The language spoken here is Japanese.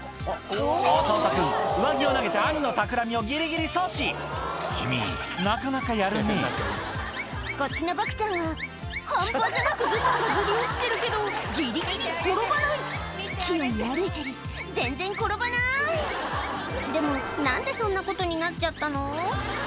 弟君上着を投げて兄のたくらみをギリギリ阻止君なかなかやるねこっちのボクちゃんは半端じゃなくズボンがずり落ちてるけどギリギリ転ばない器用に歩いてる全然転ばないでも何でそんなことになっちゃったの？